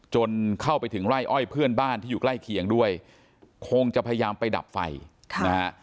จนเข้าไปถึงไร่อ้อยเพื่อนบ้านที่อยู่ใกล้เคียงด้วยคงจะพยายามไปดับไฟค่ะนะฮะ